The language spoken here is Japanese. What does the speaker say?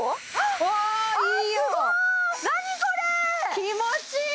気持ちいい！